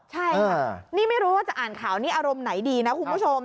ใช่ค่ะนี่ไม่รู้ว่าจะอ่านข่าวนี้อารมณ์ไหนดีนะคุณผู้ชม